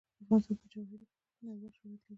افغانستان د جواهرات په برخه کې نړیوال شهرت لري.